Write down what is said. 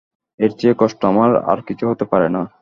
এর চেয়ে কষ্ট আমার আর কিছু হতে পারে না।